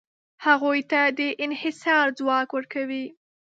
هغوی ته د انحصار ځواک ورکوي.